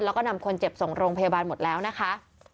แล้วก็นำคนเจ็บส่งโรงพยาบาลหมดแล้วนะคะ